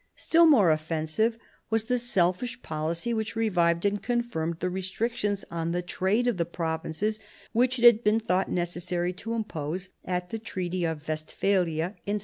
Still more offensive was the selfish policy which revived and confirmed the restrictions on the trade of the provinces which it had been thought necessary to impose at the Treaty of Westphalia (1648).